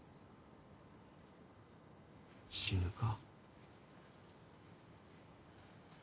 死ぬか？